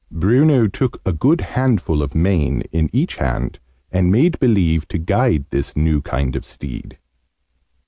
Bruno took a good handful of mane in each hand, and made believe to guide this new kind of steed.